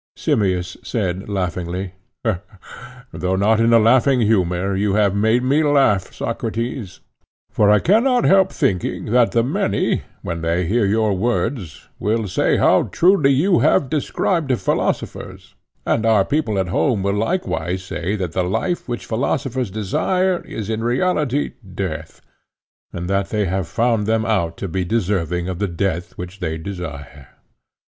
Simmias said laughingly: Though not in a laughing humour, you have made me laugh, Socrates; for I cannot help thinking that the many when they hear your words will say how truly you have described philosophers, and our people at home will likewise say that the life which philosophers desire is in reality death, and that they have found them out to be deserving of the death which they desire.